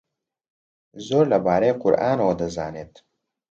زۆر لەبارەی قورئانەوە دەزانێت.